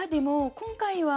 「今回は」？